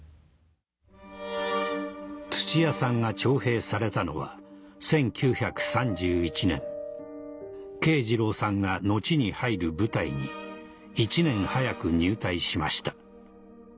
土屋さんが徴兵されたのは１９３１年慶次郎さんが後に入る部隊に１年早く入隊しました